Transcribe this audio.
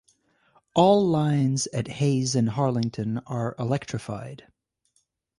All lines at Hayes and Harlington are electrified.